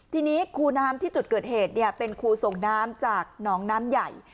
ทีนี้คูน้ำที่จุดเกิดเหตุเป็นคูส่งน้ำจากหนองน้ำใหญ่